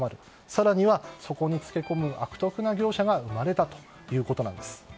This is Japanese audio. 更にはそこに漬け込む悪徳な業者が生まれたということなんです。